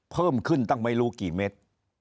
เพิ่มขึ้นตั้งไม่รู้กี่เมตร